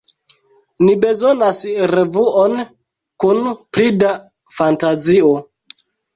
Ni bezonas revuon kun pli da fantazio.